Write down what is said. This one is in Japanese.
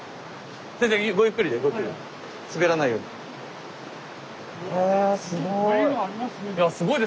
全然ごゆっくりで滑らないように。へすごい。